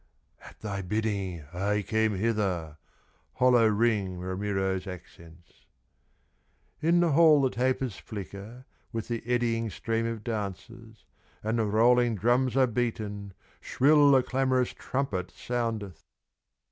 "At thy bidding I came hither," Hollow ring Ramiro's accents. In the hall the tapers flicker, With the eddying stream of dancers, And the rolling drums are beaten, Shrill the clamorous trumpet soundeth.